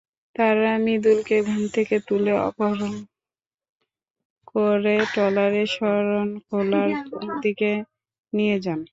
তাঁরা মৃদুলকে ঘুম থেকে তুলে অপহরণ করে ট্রলারে শরণখোলার দিকে নিয়ে যান।